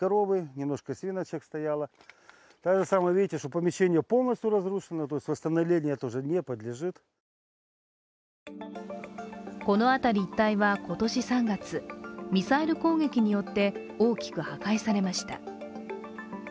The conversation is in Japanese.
この辺り一帯は今年３月、ミサイル攻撃によって、大きく破壊されました。